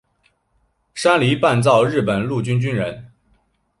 山梨半造日本陆军军人。